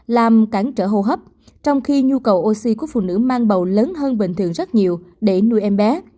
làm cản trở hô hấp trong khi nhu cầu oxy của phụ nữ mang bầu lớn hơn bình thường rất nhiều để nuôi em bé